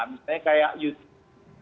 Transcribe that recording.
misalnya kayak youtube